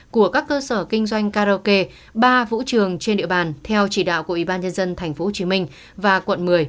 của các cơ sở kinh doanh karaoke bar phủ trường trên địa bàn theo chỉ đạo của ybnd tp hcm và quận một mươi